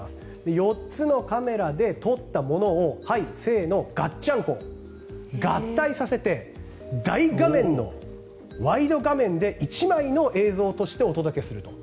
４つのカメラで撮ったものをがっちゃんこ合体させて大画面のワイド画面で１枚の映像としてお届けすると。